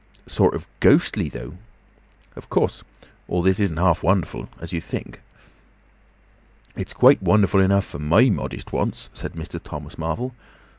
"Sort of ghostly, though." "Of course, all this isn't half so wonderful as you think." "It's quite wonderful enough for my modest wants," said Mr. Thomas Marvel.